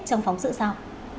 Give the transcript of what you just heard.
trong phóng sự sau